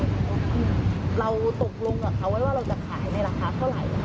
เราตกลงกับเขาไว้ว่าเราจะขายในราคาเท่าไหร่